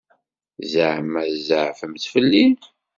Ẓeɛma tzeɛfemt fell-i?